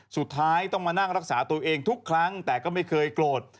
สุดท้ายต้องมานั่งรักษาตัวเองทุกครั้งแต่ก็ไม่เคยโกรธ